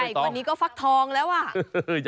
กว่านี้ก็ฟักทองแล้วอ่ะ